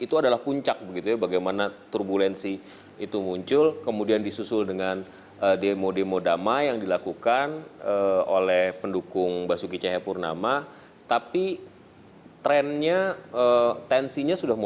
tekanan publik tekanan politik